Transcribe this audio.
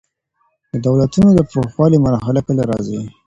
د دولتونو د پوخوالي مرحله کله راځي؟